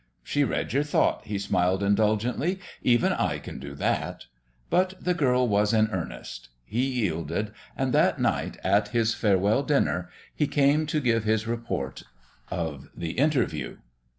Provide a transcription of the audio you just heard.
"She read your thought," he smiled indulgently. "Even I can do that!" But the girl was in earnest. He yielded; and that night at his farewell dinner he came to give his report of the interview.